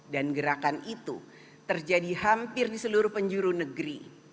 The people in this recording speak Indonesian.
dan gerakan itu terjadi hampir di seluruh penjuru negeri